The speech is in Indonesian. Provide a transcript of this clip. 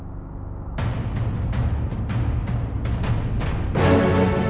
biar cynthia sama gavin gak bisa ngelak lagi dan diusir dari rumah ini